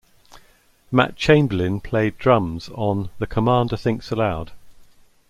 Matt Chamberlain played drums on "The Commander Thinks Aloud".